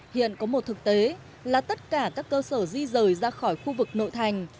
hiện có một thực tế là tất cả các cơ sở di rời ra khỏi khu vực nội thành